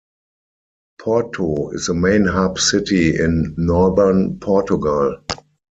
Porto is the main hub city in northern Portugal.